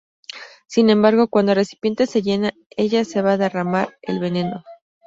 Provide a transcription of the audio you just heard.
Sin embargo, cuando el recipiente se llena, ella se va a derramar el veneno.